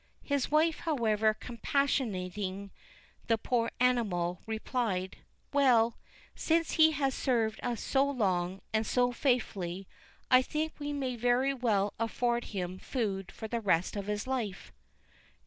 His wife, however, compassionating the poor animal, replied: "Well, since he has served us so long and so faithfully, I think we may very well afford him food for the rest of his life."